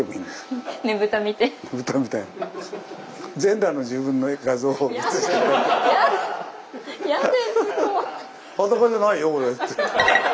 「裸じゃないよ俺」って。